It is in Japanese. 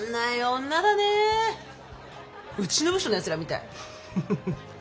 うちの部署のやつらみたい。